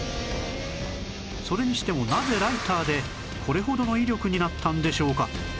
それにしてもなぜライターでこれほどの威力になったんでしょうか？